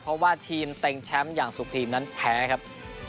เพราะว่าทีมเต็งแชมป์อย่างสุพรีมนั้นแพ้ครับ